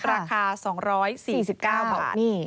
ราคา๒๔๙บาท